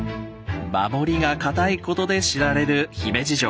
守りが堅いことで知られる姫路城。